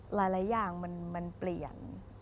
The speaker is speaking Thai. หลายอย่างมันเปลี่ยน